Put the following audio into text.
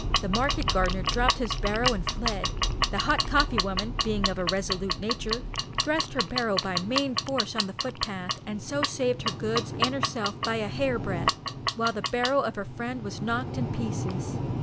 The market gardener dropt his barrow and fled. The hot coffee woman, being of a resolute nature, thrust her barrow by main force on the footpath, and so saved her goods and herself by a hairbreadth, while the barrow of her friend was knocked in pieces.